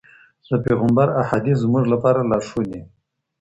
د پیغمبر احادیث زموږ لپاره لارښود دي.